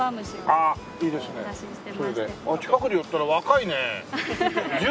あっ近くに寄ったら若いね。